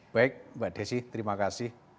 baik mbak desi terima kasih